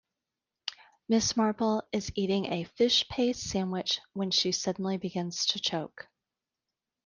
Miss Marple is eating a fish-paste sandwich when she suddenly begins to choke.